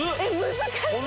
難しい！